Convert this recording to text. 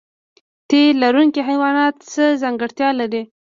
تی لرونکي حیوانات څه ځانګړتیا لري؟